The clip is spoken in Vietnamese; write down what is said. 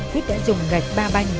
quyết đã dùng gạch ba banh